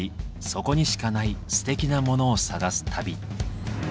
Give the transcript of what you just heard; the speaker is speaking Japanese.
そこにしかないステキなモノを探す旅。